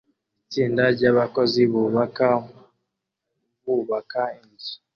Itsinda ryabakozi bubaka bubaka inzu